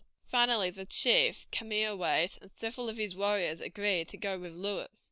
Finally the chief, Cameahwait, and several of his warriors agreed to go with Lewis.